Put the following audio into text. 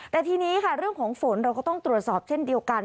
แต่ทีนี้ค่ะเรื่องของฝนเราก็ต้องตรวจสอบเช่นเดียวกัน